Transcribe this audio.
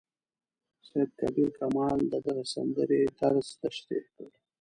سید کبیر کمال د دغې سندرې طرز تشریح کړ.